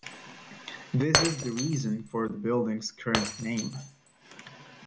This is the reason for the building's current name.